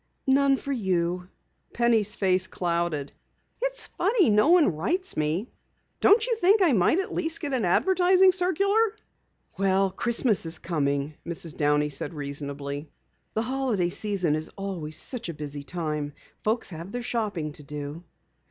"None for you." Penny's face clouded. "It's funny no one writes me. Don't you think I might at least get an advertising circular?" "Well, Christmas is coming," Mrs. Downey said reasonably. "The holiday season always is such a busy time. Folks have their shopping to do."